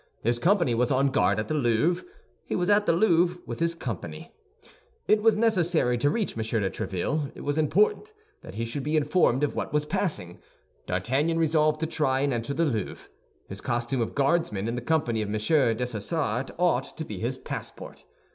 His company was on guard at the Louvre; he was at the Louvre with his company. It was necessary to reach M. de Tréville; it was important that he should be informed of what was passing. D'Artagnan resolved to try and enter the Louvre. His costume of Guardsman in the company of M. Dessessart ought to be his passport.